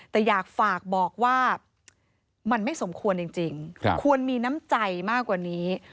แต่อยากฝากบอกว่ามันไม่สมควรจริงควรมีน้ำใจมากกว่านี้